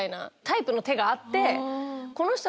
タイプの手があって。